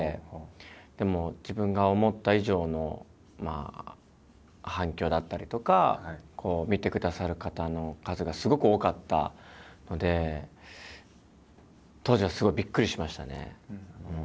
でも自分が思った以上のまあ反響だったりとか見てくださる方の数がすごく多かったので当時はすごいびっくりしましたね。